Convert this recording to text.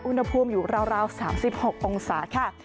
อุณหภูมิอยู่ราว๓๖องศาค่ะ